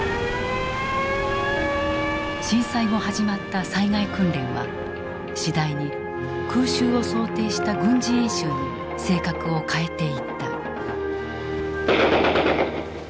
震災後始まった災害訓練は次第に空襲を想定した軍事演習に性格を変えていった。